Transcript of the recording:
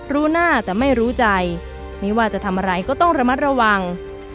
รู้หน้าแต่ไม่รู้ใจไม่ว่าจะทำอะไรก็ต้องระมัดระวัง